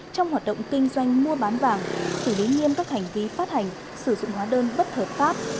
trong hoạt động kinh doanh mua bán vàng xử lý nghiêm các hành vi phát hành sử dụng hóa đơn bất hợp pháp